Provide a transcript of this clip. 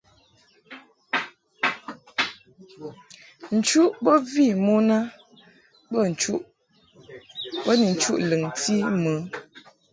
Nchuʼ bo vi mon a bo ni nchuʼ lɨŋti mɨ.